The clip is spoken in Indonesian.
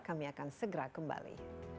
kami akan segera kembali